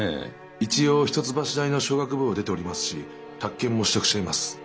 一応一橋大の商学部を出ておりますし宅建も取得しています。